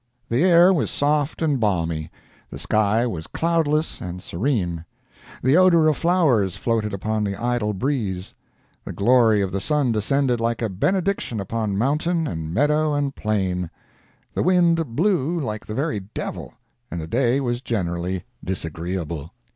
The air was soft and balmy—the sky was cloudless and serene—the odor of flowers floated upon the idle breeze—the glory of the sun descended like a benediction upon mountain and meadow and plain—the wind blew like the very devil, and the day was generally disagreeable.